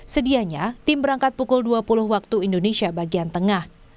sedianya tim berangkat pukul dua puluh waktu indonesia bagian tengah